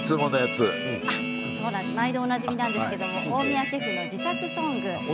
毎度おなじみなんですけども大宮シェフの自作ソング